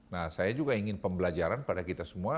nah saya juga ingin pembelajaran pada kita semua